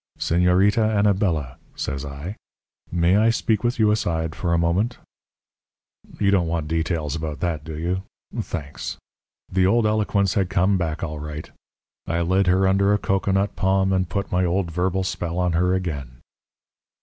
"'Señorita Anabela,' says I, 'may I speak with you aside for a moment?' "You don't want details about that, do you? Thanks. The old eloquence had come back all right. I led her under a cocoanut palm and put my old verbal spell on her again.